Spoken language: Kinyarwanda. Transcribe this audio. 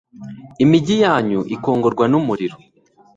imigi yanyu ikongorwa n'umuriro